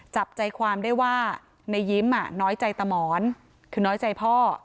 จับใจความได้ว่าในยิ้มน้อยใจตาหมอนคือน้อยใจพ่อ